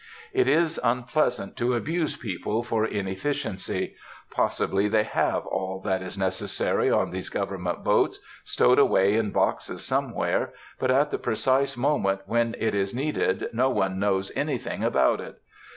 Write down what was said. It is unpleasant to abuse people for inefficiency. Possibly they have all that is necessary on these government boats, stowed away in boxes somewhere, but at the precise moment when it is needed no one knows anything about it.